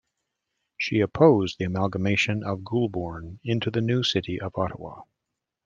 She opposed the amalgamation of Goulbourn into the new city of Ottawa.